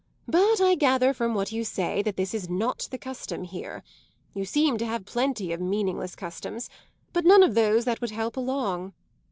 But I gather from what you say that this is not the custom here. You seem to have plenty of meaningless customs, but none of those that would help along.